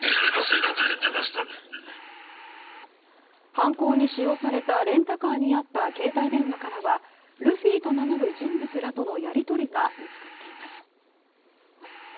犯行に使用されたレンタカーにあった携帯電話からはルフィと名乗る人物らとのやり取りが見つかっています。